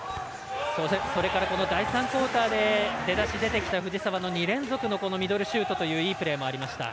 それからこの第３クオーターで出だし出てきた藤澤の２連続のミドルシュートといういいプレーありました。